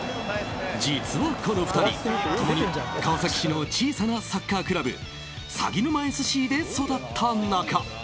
実はこの２人、共に川崎市の小さなサッカークラブさぎぬまＳＣで育った仲。